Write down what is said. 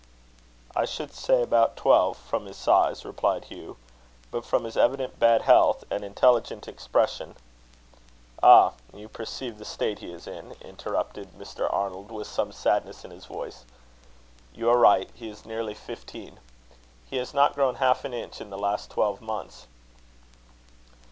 "I should say about twelve from his size," replied Hugh; "but from his evident bad health, and intelligent expression " "Ah! you perceive the state he is in," interrupted Mr. Arnold, with some sadness in his voice. "You are right; he is nearly fifteen. He has not grown half an inch in the last twelve months."